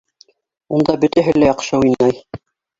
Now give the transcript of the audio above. Унда бөтәһе лә яҡшы уйнай